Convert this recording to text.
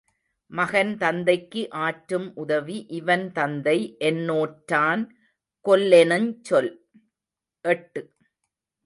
மகன்தந்தைக்கு ஆற்றும் உதவி இவன்தந்தை என்நோற்றான் கொல்லென்னுஞ் சொல் எட்டு.